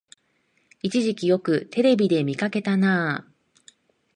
一時期よくテレビで見かけたなあ